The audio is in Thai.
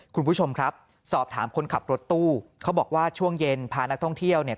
คุณผู้ชมครับสอบถามคนขับรถตู้เขาบอกว่าช่วงเย็นพานักท่องเที่ยวเนี่ย